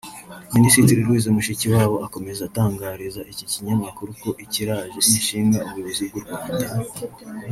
Minisitiri Louise Mushikiwabo akomeza atangariza iki kinyamakuru ko ikiraje inshinga ubuyobozi bw’u Rwanda